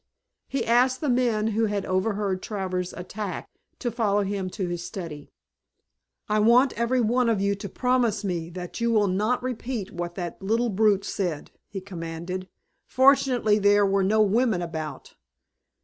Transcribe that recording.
He asked the men who had overheard Travers' attack to follow him to his study. "I want every one of you to promise me that you will not repeat what that little brute said," he commanded. "Fortunately there were no women about.